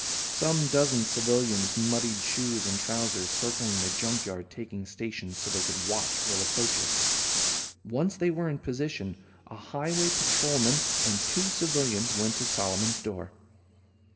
Some dozen civilians muddied shoes and trousers circling the junk yard, taking stations so they could watch all approaches. Once they were in position, a Highway patrolman and two civilians went to Solomon's door.